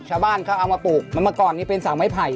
ชาวบ้านเขาเอามาปลูกมาก่อนนี้เป็นสาวไม้ไผ่